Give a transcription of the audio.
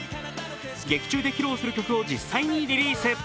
劇中で披露する曲を実際にリリース。